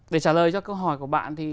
để trả lời cho câu hỏi của bạn thì